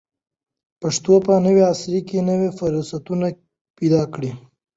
پښتو ته په نوي عصر کې نوي فرصتونه پیدا کړئ.